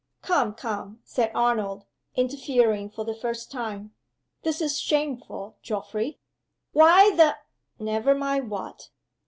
"Come! come!" said Arnold, interfering for the first time. "This is shameful, Geoffrey!" "Why the" (never mind what!)